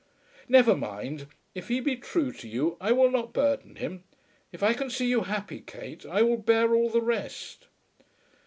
Never mind. If he be true to you, I will not burden him. If I can see you happy, Kate, I will bear all the rest."